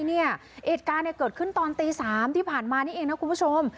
เหตุการณ์เกิดขึ้นตอนตี๓ที่ผ่านมานี่เองนะคุณผู้ชม